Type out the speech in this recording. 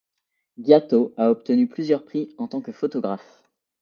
Gia To a obtenu plusieurs prix en tant que photographe.